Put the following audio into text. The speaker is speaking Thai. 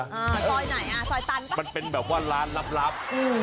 เอ้าซอยไหนเอ่ะซอยตันปะมันเป็นแบบว่าร้านลับ